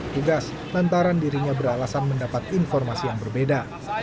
kepada petugas lantaran dirinya beralasan mendapat informasi yang berbeda